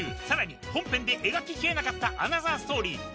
さらに本編で描ききれなかったアナザーストーリー